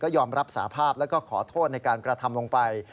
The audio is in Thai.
ยอมรับสาภาพแล้วก็ขอโทษในการกระทำลงไป